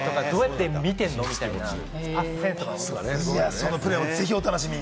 そのプレー、ぜひお楽しみに。